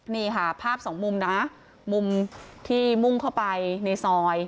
นี่ค่ะภาพสองมุมนะมุมที่มุ่งเข้าไปในซอย